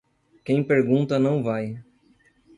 Quem pergunta não vai.